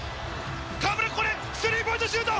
河村、ここで、スリーポイントシュート。